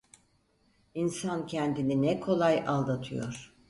İnsan kendini ne kolay aldatıyor.